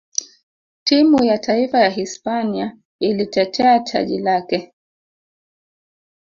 timu ya taifa ya hispania ilitetea taji lake